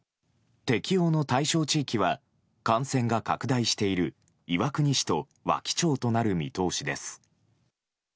適用の対象地域は感染が拡大している岩国市と和木町となる見通しです。